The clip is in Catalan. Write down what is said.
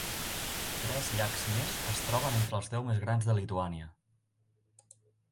Tres llacs més es troben entre els deu més grans de Lituània.